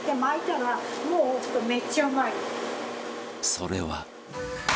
それは